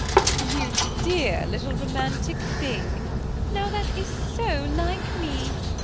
^ You dear little romantic thing ; now that is so like me